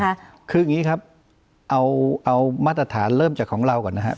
คืออย่างนี้ครับเอาเอามาตรฐานเริ่มจากของเราก่อนนะครับ